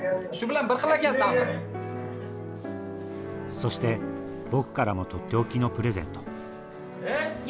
そして僕からも取って置きのプレゼントえ？